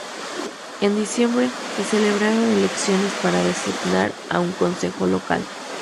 En diciembre se celebraron elecciones para designar a un consejo local.